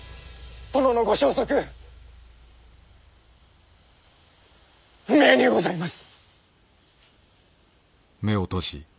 殿のご消息不明にございます。